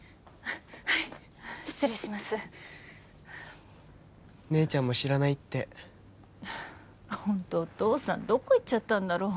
はい失礼します姉ちゃんも知らないってホントお父さんどこ行っちゃったんだろう